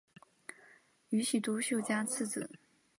宇喜多秀家次子。